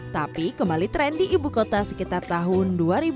tapi kembali tren di ibu kota sekitar tahun dua ribu dua